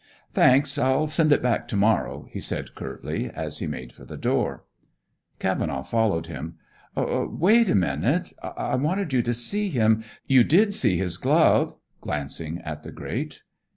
"Thanks. I'll send it back to morrow," he said curtly as he made for the door. Cavenaugh followed him. "Wait a moment. I wanted you to see him. You did see his glove," glancing at the grate.